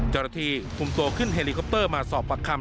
เจ้าหน้าที่คุมตัวขึ้นเฮลิคอปเตอร์มาสอบปากคำ